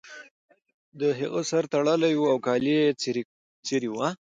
د هغه سر تړلی و او کالي یې څیرې وو